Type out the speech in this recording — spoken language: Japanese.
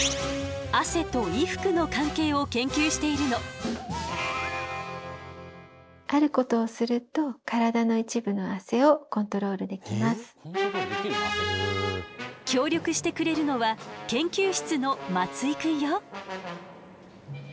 汗と衣服の関係を研究しているの。協力してくれるのは研究室の松井くんよ。